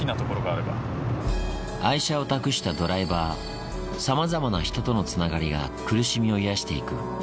愛車を託したドライバー、さまざまな人とのつながりが、苦しみを癒やしていく。